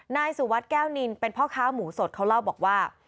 นายสุวัสดิแก้วนินเป็นพ่อค้าหมูสดเขาเล่าบอกว่า